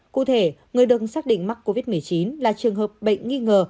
cụ thể người được xác định mắc covid một mươi chín là trường hợp bệnh nghi ngờ